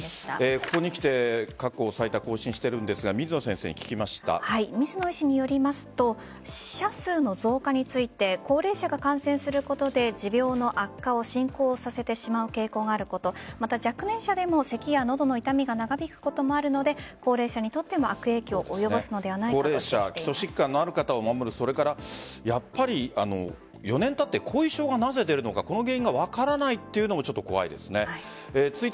ここにきて過去最多更新しているんですが水野医師によりますと死者数の増加について高齢者が感染することで持病の悪化を進行させてしまう傾向があることまた、若年者でもせきや喉の痛みが長引くこともあるので高齢者にとっても悪影響を及ぼすのではないか高齢者、基礎疾患のある方それから３年たって後遺症がなぜ出るのかこの原因が分からないというのも怖いですね。